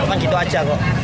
bukan gitu aja kok